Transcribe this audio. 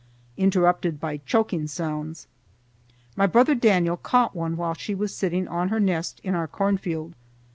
_ interrupted by choking sounds. My brother Daniel caught one while she was sitting on her nest in our corn field.